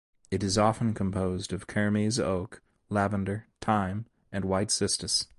It is often composed of kermes oak, lavender, thyme, and white cistus.